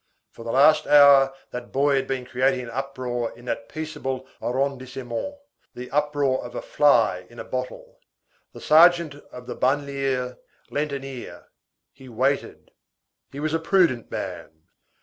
For the last hour, that boy had been creating an uproar in that peaceable arrondissement, the uproar of a fly in a bottle. The sergeant of the banlieue lent an ear. He waited. He was a prudent man.